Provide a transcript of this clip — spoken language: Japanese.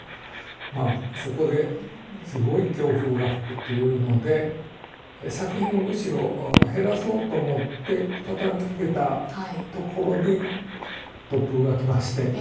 まあそこですごい強風が吹くっていうので作品をむしろ減らそうと思って畳みかけたところに突風が来まして。